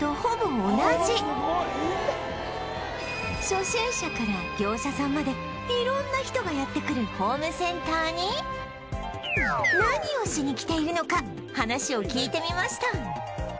初心者から業者さんまで色んな人がやって来るホームセンターに何をしに来ているのか話を聞いてみました